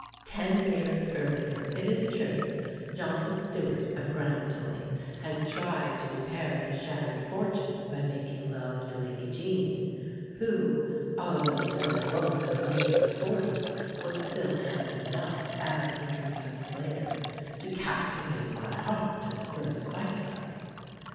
Ten years earlier, it is true, John Stewart, of Grandtully, had tried to repair his shattered fortunes by making love to Lady Jean, who, although then a woman of nearly forty, was still handsome enough, as he confessed later, to "captivate my heart at the first sight of her."